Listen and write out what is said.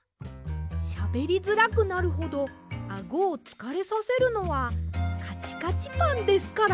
しゃべりづらくなるほどあごをつかれさせるのはかちかちパンですから。